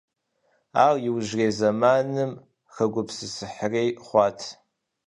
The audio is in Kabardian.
Ар иужьрей зэманым хэгупсысыхьрей хъуат.